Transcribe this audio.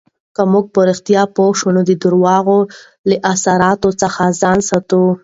که موږ په رښتیا پوه شو، نو د درواغو له اثراتو څخه ځان ساتو.